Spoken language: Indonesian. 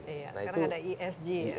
sekarang ada esg ya